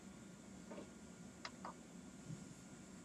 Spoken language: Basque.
Harremanen tertulian berriz, edertasunaz arituko dira gaurkoan.